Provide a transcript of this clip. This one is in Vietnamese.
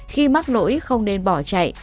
khi mắc lỗi không nên bỏ chạy